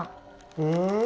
うん？